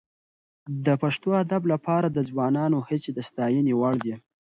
د پښتو ادب لپاره د ځوانانو هڅې د ستاینې وړ دي.